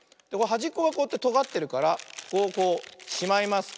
はじっこがこうやってとがってるからここをこうしまいます。